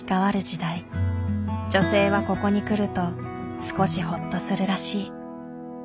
女性はここに来ると少しホッとするらしい。